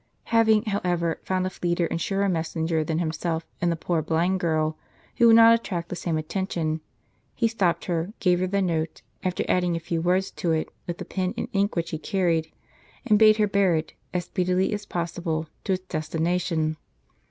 Having, however, found a fleeter and surer messenger than himself, in the poor blind girl, who would not attract the same attention, he stopped her, gave her the note, after adding a few words to it, with the pen and ink which he carried, and bade her bear it, as speedily as possible, to its destination.